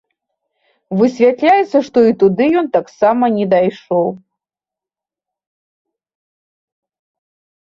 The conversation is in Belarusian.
Высвятляецца, што і туды ён таксама не дайшоў.